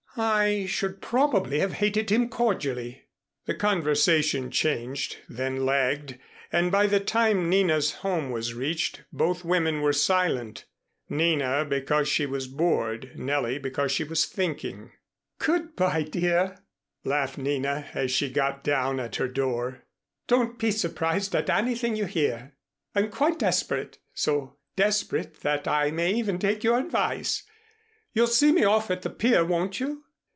"I should probably have hated him cordially." The conversation changed, then lagged, and by the time Nina's home was reached both women were silent, Nina because she was bored, Nellie because she was thinking. "Good by, dear," laughed Nina, as she got down at her door. "Don't be surprised at anything you hear. I'm quite desperate, so desperate that I may even take your advice. You'll see me off at the pier, won't you?"